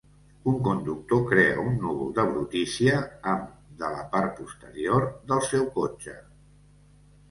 Un conductor crea un núvol de brutícia amb de la part posterior del seu cotxe.